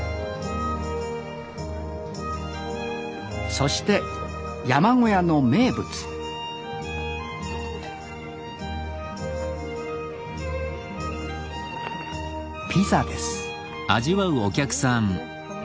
そして山小屋の名物ピザです